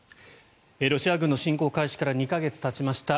ロシア軍の侵攻開始から２か月がたちました。